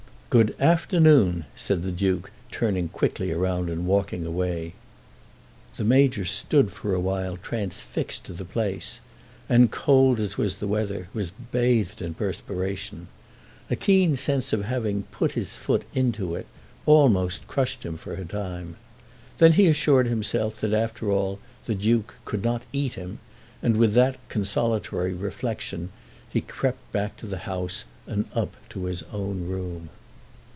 "Good afternoon," said the Duke, turning quickly round and walking away. The Major stood for a while transfixed to the place, and, cold as was the weather, was bathed in perspiration. A keen sense of having "put his foot into it" almost crushed him for a time. Then he assured himself that, after all, the Duke "could not eat him," and with that consolatory reflection he crept back to the house and up to his own room.